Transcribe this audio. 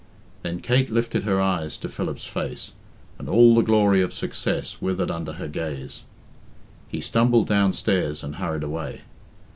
Then Kate lifted her eyes to Philip's face, and all the glory of success withered under her gaze. He stumbled downstairs, and hurried away.